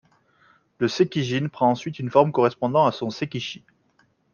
Le Seikijin prend ensuite une forme correspondant à son Seikishi.